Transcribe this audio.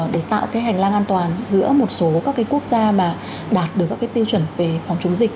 để tạo cái hành lang an toàn giữa một số các cái quốc gia mà đạt được các cái tiêu chuẩn về phòng chống dịch